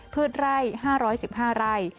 พืชไร่๕๑๕ไร่